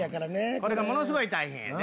これがものすごい大変でね。